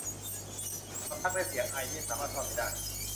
ความรักและเสียงไอ ไม่สามารถซ่อนไว้ได้